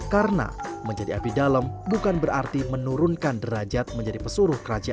karena menjadi abdi dalam bukan berarti menurunkan derajat menjadi pesuruh kerajaan